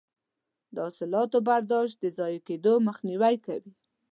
د حاصلاتو برداشت د ضایع کیدو مخنیوی کوي.